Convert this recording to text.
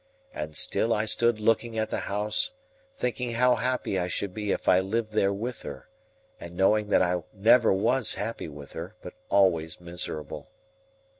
And still I stood looking at the house, thinking how happy I should be if I lived there with her, and knowing that I never was happy with her, but always miserable.